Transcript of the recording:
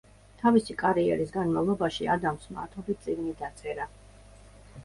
თავისი კარიერის განმავლობაში ადამსმა ათობით წიგნი დაწერა.